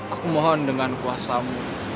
aku mohon dengan kuasamu